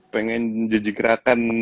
pengen jejik rakan